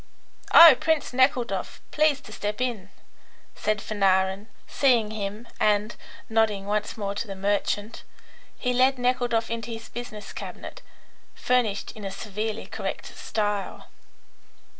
"Oh, Prince Nekhludoff! Please to step in," said Fanarin, seeing him, and, nodding once more to the merchant, he led Nekhludoff into his business cabinet, furnished in a severely correct style.